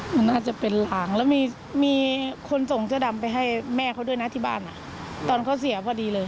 มันน่าจะเป็นหลางแล้วมีคนส่งเสื้อดำไปให้แม่เขาด้วยนะที่บ้านตอนเขาเสียพอดีเลย